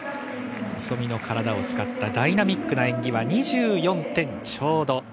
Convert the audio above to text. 細身の体を使ったダイナミックな演技は２４点ちょうど。